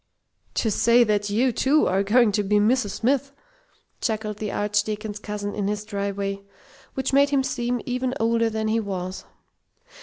"To say that you, too, are going to be Mrs. Smith!" chuckled the Archdeacon's cousin in his dry way, which made him seem even older than he was.